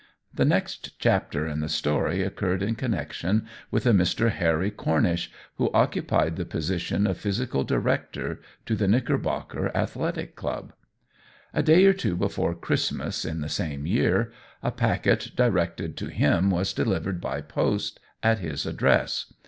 The next chapter in the story occurred in connection with a Mr. Harry Cornish, who occupied the position of physical director to the Knickerbocker Athletic Club. A day or two before Christmas in the same year, a packet directed to him was delivered by post at his address.